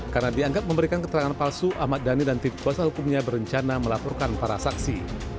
karena dianggap memberikan keterangan palsu ahmad dhani dan tim kuasa hukumnya berencana melaporkan para saksi